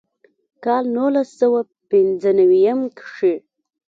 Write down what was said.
کال نولس سوه پينځۀ نوي يم کښې